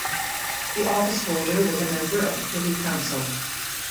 The office holder was a member of the Privy Council.